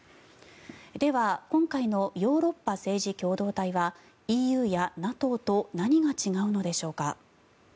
では今回のヨーロッパ政治共同体はＥＵやＮＡＴＯと何が違うのでしょうか。